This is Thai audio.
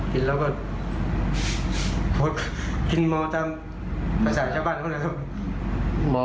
กินแล้วก็กินหมอตามภาษาชาวบ้านเขาเลยครับ